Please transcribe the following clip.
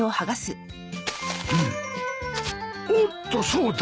おっとそうだ。